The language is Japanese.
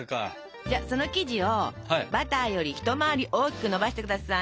じゃその生地をバターよりひと回り大きくのばしてください。